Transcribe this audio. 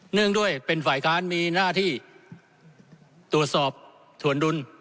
งด้วยเป็นฝ่ายค้านมีหน้าที่ตรวจสอบถวนดุล